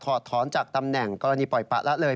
ถอนจากตำแหน่งกรณีปล่อยปะละเลย